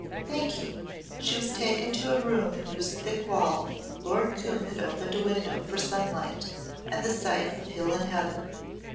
"Thank you." She was taken to a room in whose thick wall Lord Coombe had opened a window for sunlight and the sight of hill and heather.